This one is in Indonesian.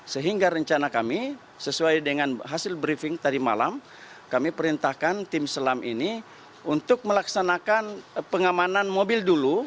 sehingga rencana kami sesuai dengan hasil briefing tadi malam kami perintahkan tim selam ini untuk melaksanakan pengamanan mobil dulu